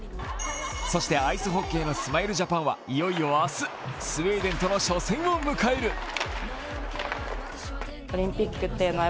そして、アイスホッケーのスマイルジャパンはいよいよ明日、スウェーデンとの初戦を迎える。